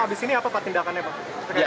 habis ini apa pak tindakannya pak